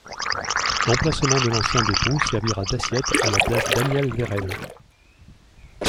L'emplacement de l'ancien dépôt servira d'assiette à la place Daniel Verhele.